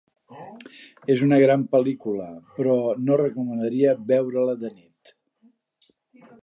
És una gran pel·lícula, però no recomanaria veure-la de nit.